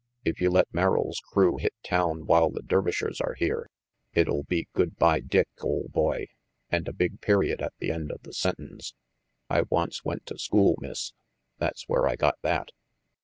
If you let Merrill's crew hit town while the Dervishers are here, it'll be good bye Dick ole boy and a big period at the end of the sentence. I once went to school, Miss. That's where I got that."